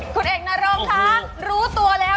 คุณเอกนรงคะรู้ตัวแล้ว